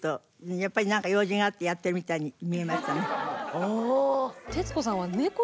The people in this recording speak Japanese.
やっぱりなんか用事があってやってるみたいに見えましたね。